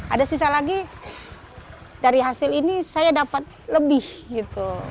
ada sisa lagi dari hasil ini saya dapat lebih gitu